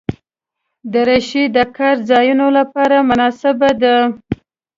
دریشي د کار ځایونو لپاره مناسبه ده.